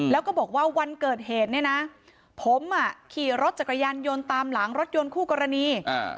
แล้วก็บอกว่าวันเกิดเหตุผมขี่รถจักรยานยนต์ตามหลังรถยนต์คู่กรณี